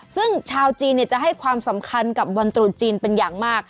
ซึ่งชาวจีนจะให้ความสำคัญกับวันตรุษจีนเป็นอย่างมาก